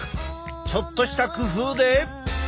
ちょっとした工夫で。